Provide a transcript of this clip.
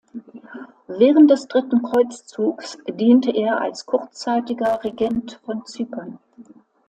Während des Dritten Kreuzzugs diente er als kurzzeitiger Regent von Zypern.